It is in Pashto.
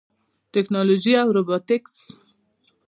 ټیکنالوژي او روبوټکس